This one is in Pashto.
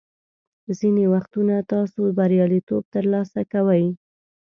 ځینې وختونه تاسو بریالیتوب ترلاسه کوئ.